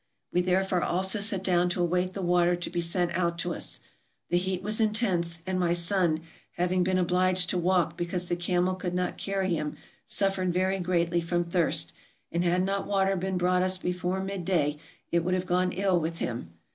We therefore also sat down to await the water to be sent out to us. The heat was intense, and my son, hav ing been obliged to walk because the camel could not carry him, suffered very greatly from thirst ; and had not water been brought us before mid day it would have gone ill with him.